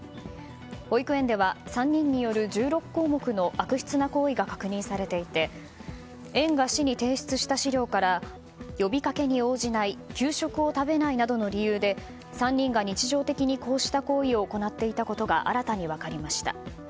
保育園では３人による１６項目の悪質な行為が確認されていて園が市に提出した資料から呼びかけに応じない給食を食べないなどの理由で３人が日常的にこうした行為を行っていたことが新たに分かりました。